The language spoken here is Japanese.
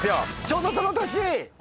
ちょうどその年。